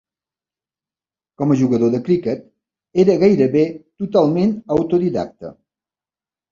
Com a jugador de criquet, era gairebé totalment autodidacta.